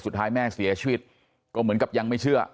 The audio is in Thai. สุดท้ายแม่เสียชีวิตก็เหมือนกับยังไม่เชื่อ